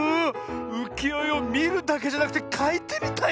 うきよえをみるだけじゃなくてかいてみたい！